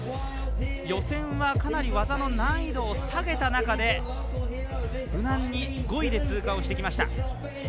予選はかなり技の難易度を下げた中で無難に５位で通過をしてきました。